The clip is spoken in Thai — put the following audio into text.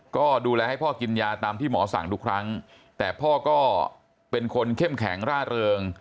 ก็ดูแลให้พ่อกินยาตามที่หมอสั่งทุกครั้งแต่พ่อก็เป็นคนเข้มแข็งร่าเริง